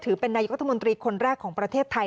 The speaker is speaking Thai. ถือเป็นนายกรัฐมนตรีคนแรกของประเทศไทย